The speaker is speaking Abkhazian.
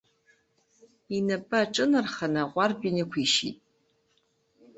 Инапы аҿынарханы аҟәардә инықәишьит.